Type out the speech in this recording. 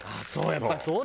やっぱりそうだよね